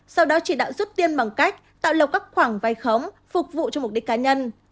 sau đó chỉ đạo giúp tiên bằng cách tạo lộc các khoảng vai khống phục vụ cho mục đích cá nhân